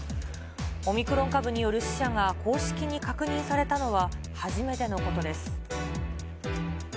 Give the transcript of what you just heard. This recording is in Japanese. オミクロン株による死者が公式に確認されたのは初めてのことです。